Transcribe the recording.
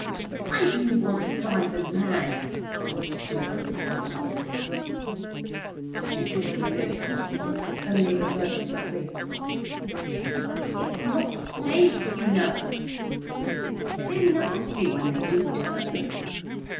"Why do you want to drive them mad?" asked Gerald, coming up with her. She took no notice of him, only averted her face from him. "It's not safe, you know," he persisted. "They're nasty, when they do turn."